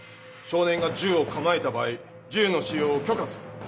少年が銃を構えた場合銃の使用を許可する。